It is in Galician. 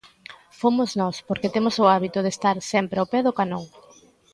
Fomos nós porque temos o hábito de estar sempre ao pé do canón.